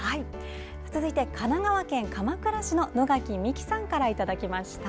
続いては神奈川県鎌倉市の野垣美紀さんからいただきました。